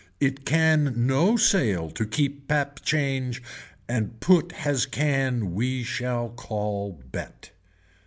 It can no sail to key pap change and put has can we see call bet.